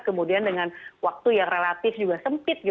kemudian dengan waktu yang relatif juga sempit